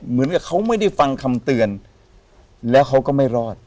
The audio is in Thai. เหมือนกับเขาไม่ได้ฟังคำเตือนแล้วเขาก็ไม่รอด